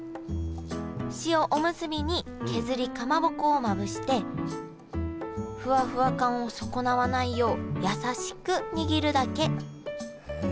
塩おむすびに削りかまぼこをまぶしてフワフワ感を損なわないよう優しく握るだけ。